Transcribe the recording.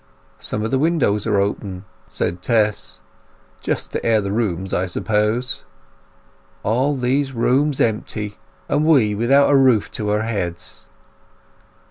"Some of the windows are open," said Tess. "Just to air the rooms, I suppose." "All these rooms empty, and we without a roof to our heads!"